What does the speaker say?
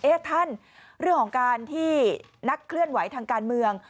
ท่านเรื่องของการที่นักเคลื่อนไหวทางการเมือง